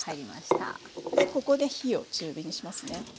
ここで火を中火にしますね。